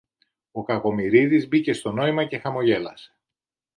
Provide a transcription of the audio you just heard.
Ο Κακομοιρίδης μπήκε στο νόημα και χαμογέλασε